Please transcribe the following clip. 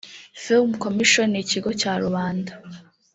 Film Commission ni ikigo cya rubanda